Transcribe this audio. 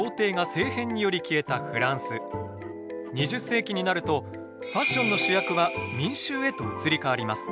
２０世紀になるとファッションの主役は民衆へと移り変わります。